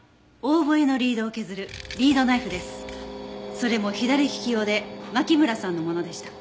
それも左利き用で牧村さんのものでした。